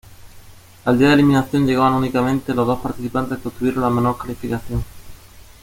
Al día de eliminación llegaban únicamente los dos participantes que obtuvieron la menor calificación.